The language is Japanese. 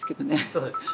そうですね。